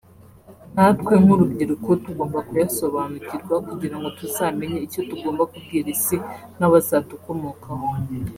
nkatwe nk’urubyiruko tugomba kuyasobanukirwa kugirango tuzamenye icyo tugomba kubwira isi n'abazadukomokaho